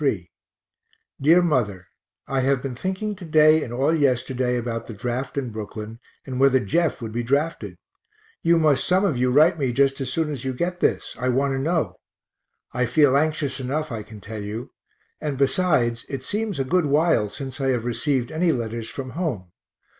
_ DEAR MOTHER I have been thinking to day and all yesterday about the draft in Brooklyn, and whether Jeff would be drafted; you must some of you write me just as soon as you get this I want to know; I feel anxious enough I can tell you and besides, it seems a good while since I have received any letters from home.